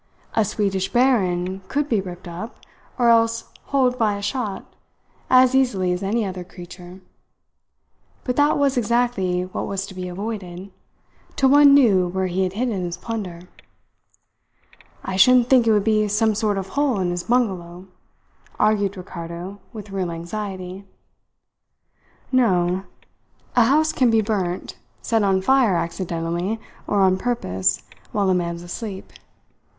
A Swedish baron could be ripped up, or else holed by a shot, as easily as any other creature; but that was exactly what was to be avoided, till one knew where he had hidden his plunder. "I shouldn't think it would be some sort of hole in his bungalow," argued Ricardo with real anxiety. No. A house can be burnt set on fire accidentally, or on purpose, while a man's asleep.